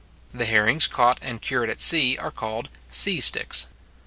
The herrings caught and cured at sea are called sea sticks.